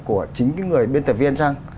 của chính cái người biên tập viên trăng